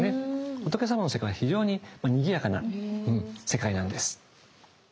仏さまの世界は非常ににぎやかな世界なんです。